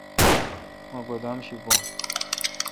مہ گودام شی بھون۔